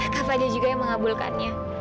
kak fadil juga yang mengabulkannya